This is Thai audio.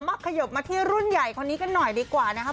ขยบมาที่รุ่นใหญ่คนนี้กันหน่อยดีกว่านะครับ